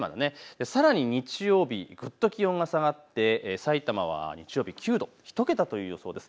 さらに日曜日、ぐっと気温が下がって、さいたまは日曜日９度、１桁という予想です。